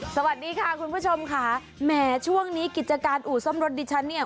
สวัสดีค่ะคุณผู้ชมค่ะแหมช่วงนี้กิจการอู่ซ่อมรถดิฉันเนี่ย